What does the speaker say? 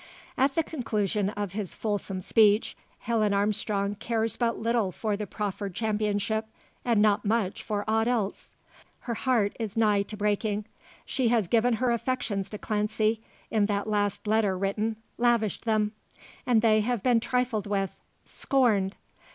At the conclusion of his fulsome speech Helen Armstrong cares but little for the proffered championship, and not much for aught else. Her heart is nigh to breaking. She has given her affections to Clancy in that last letter written, lavished them. And they have been trifled with scorned!